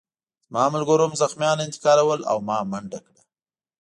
زما ملګرو هم زخمیان انتقالول او ما منډه کړه